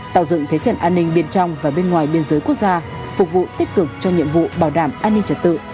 tạo dựng thế trận an ninh bên trong và bên ngoài biên giới quốc gia phục vụ tích cực cho nhiệm vụ bảo đảm an ninh trật tự